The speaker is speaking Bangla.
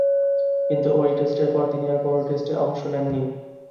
কিন্তু ঐ টেস্টের পর তিনি আর কোন টেস্টে অংশ নেননি।